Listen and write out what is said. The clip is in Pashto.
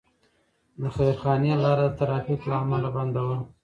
د خیرخانې لاره د ترافیکو له امله بنده وه.